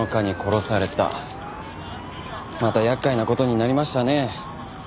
また厄介な事になりましたね。